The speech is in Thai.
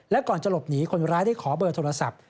และก่อนจะหลบหนีคนร้ายได้ขอเบอร์โทรศัพท์